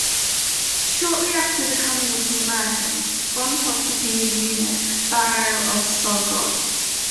Shortly after the coming of the Americans, Bontoc became a unit barrio of Sogod.